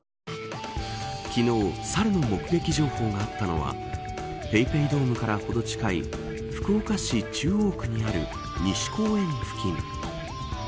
昨日、猿の目撃情報があったのはＰａｙＰａｙドームからほど近い福岡市中央区にある西公園付近。